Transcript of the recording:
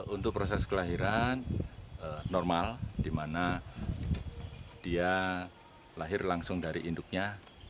untuk proses kelahiran normal di mana dia lahir langsung dari induknya